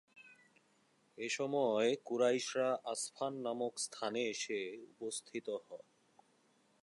এ সময় কুরাইশরা আসফান নামক স্থানে এসে উপস্থিত হয়।